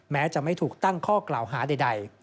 แม้จะไม่ถูกตั้งข้อกล่าวหาใด